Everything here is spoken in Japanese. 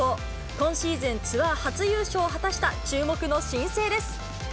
今シーズン、ツアー初優勝を果たした注目の新星です。